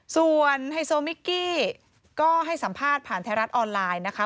ส่วนไฮโซมิกกี้ก็ให้สัมภาษณ์ผ่านไทยรัฐออนไลน์นะคะ